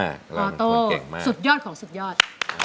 ออโต้สุดยอดของสุดยอด